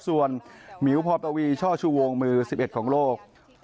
ส่วนหมิวพอปวีช่อชูวงมือ๑๑ของโลก